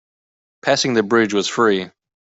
Passing the bridge was free.